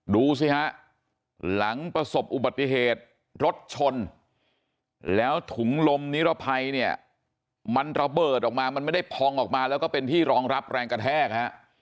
ดูสิฮะหลังประสบอุบัติเหตุรถชนแล้วถุงลมนิรภัยเนี่ยมันระเบิดออกมามันไม่ได้พองออกมาแล้วก็เป็นที่รองรับแรงกระแทกฮะ